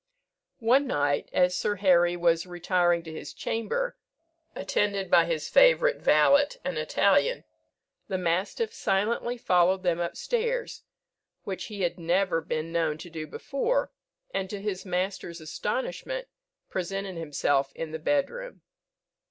One night, as Sir Harry was retiring to his chamber, attended by his favourite valet, an Italian, the mastiff silently followed them up stairs, which he had never been known to do before, and, to his master's astonishment, presented himself in the bed room.